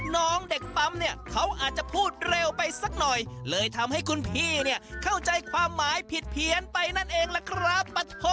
น้องเด็กปั๊มเนี่ยเขาอาจจะพูดเร็วไปสักหน่อยเลยทำให้คุณพี่เนี่ยเข้าใจความหมายผิดเพี้ยนไปนั่นเองล่ะครับ